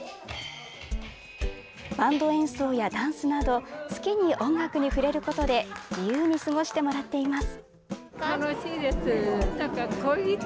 バンド演奏やダンスなど好きに音楽に触れることで自由に過ごしてもらっています。